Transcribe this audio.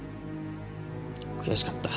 悔しかった。